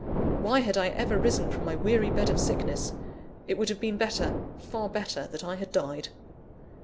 Why had I ever risen from my weary bed of sickness? it would have been better, far better, that I had died!